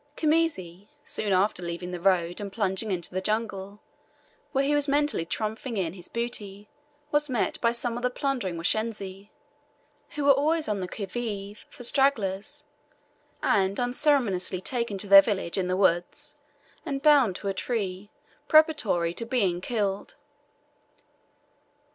Khamisi, soon after leaving the road and plunging into the jungle, where he was mentally triumphing in his booty, was met by some of the plundering Washensi, who are always on the qui vive for stragglers, and unceremoniously taken to their village in the woods, and bound to a tree preparatory, to being killed.